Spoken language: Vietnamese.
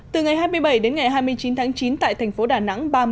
từ ngày hai mươi bảy đến ngày hai mươi chín tháng chín tại thành phố đà nẵng